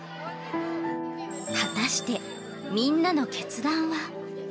果たして、みんなの決断は。